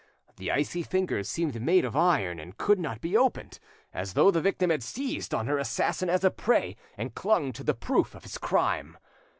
The icy fingers seemed made of iron and could not be opened, as though the victim had seized on her assassin as a prey, and clung to the proof of his crime.